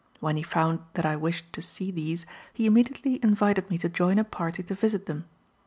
When he found that I wished to see these he immediately invited me to join a party to visit them.